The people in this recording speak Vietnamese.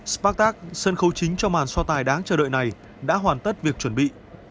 spactak sân khấu chính cho màn so tài đáng chờ đợi này đã hoàn tất việc chuẩn bị